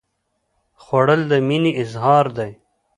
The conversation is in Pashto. خوړل د مینې اظهار دی